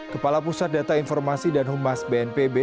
kepala pusat data informasi dan humas bnpb